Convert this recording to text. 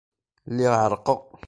Lliɣ ɛerrqeɣ.